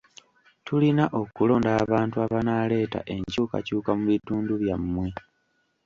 Tulina okulonda abantu abanaaleeta enkyukakyuka mu bitundu bya mmwe.